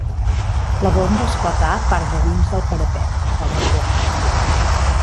La bomba esclatà part dedins del parapet, al racó